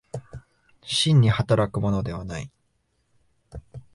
真に働くものではない。